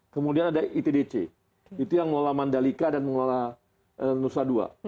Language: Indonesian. kemudian ada itdc itu yang mengelola mandalika dan mengelola nusa dua